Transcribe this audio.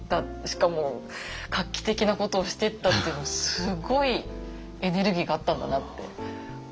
しかも画期的なことをしてったっていうのはすごいエネルギーがあったんだなって思いますね。